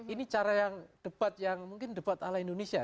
ini cara yang mungkin debat ala indonesia